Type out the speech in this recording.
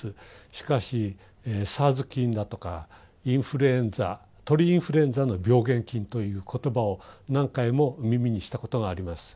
しかしＳＡＲＳ菌だとかインフルエンザ鳥インフルエンザの病原菌という言葉を何回も耳にしたことがあります。